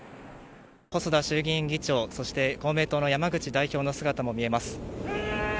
細田衆議院議長そして、公明党の山口代表の姿も見えます。